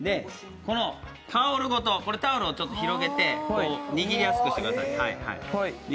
タオルごと、タオルを広げて握りやすくしてください。